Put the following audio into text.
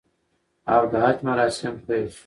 او د حج مراسم پیل شو